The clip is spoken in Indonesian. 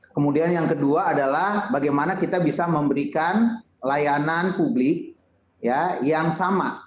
kemudian yang kedua adalah bagaimana kita bisa memberikan layanan publik yang sama